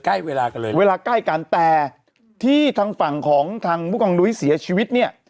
ใกล้เวลากันเลยเวลาใกล้กันแต่ที่ทางฝั่งของทางผู้กองนุ้ยเสียชีวิตเนี่ย